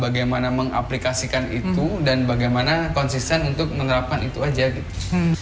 bagaimana mengaplikasikan itu dan bagaimana konsisten untuk menerapkan itu aja gitu